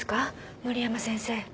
森山先生。